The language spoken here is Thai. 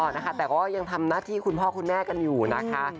นะคะแต่ก็ยังทำหน้าที่คุณพ่อคุณแม่กันอยู่นะคะ